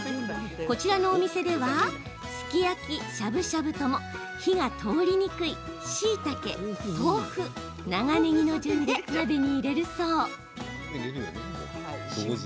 こちらのお店ではすき焼きしゃぶしゃぶとも火が通りにくいしいたけ豆腐長ねぎの順で鍋に入れるそう。